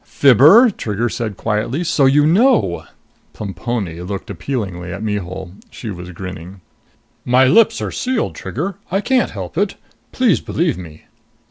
"Fibber!" Trigger said quietly. "So you know!" Plemponi looked appealingly at Mihul. She was grinning. "My lips are sealed, Trigger! I can't help it. Please believe me."